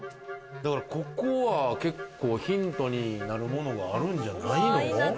ここは結構ヒントになるものがあるんじゃないの？